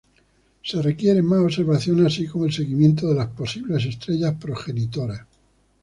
Se requieren más observaciones así como el seguimiento de las posibles estrellas progenitoras.